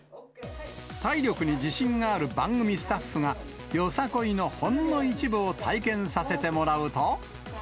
体力に自信がある番組スタッフが、よさこいのほんの一部を体験させてもらうと。